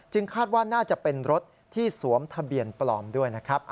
คาดว่าน่าจะเป็นรถที่สวมทะเบียนปลอมด้วยนะครับ